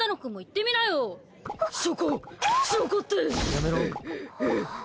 やめろ。